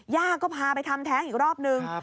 ย่าก็พาไปทำแท้งอีกรอบนึง